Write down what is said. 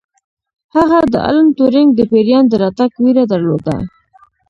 هغه د الن ټورینګ د پیریان د راتګ ویره درلوده